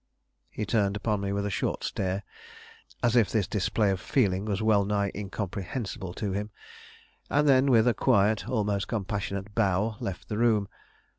He turned upon me with a short stare, as if this display of feeling was well nigh incomprehensible to him; and then, with a quiet, almost compassionate bow left the room.